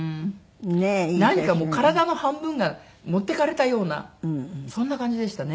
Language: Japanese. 何か体の半分が持っていかれたようなそんな感じでしたね。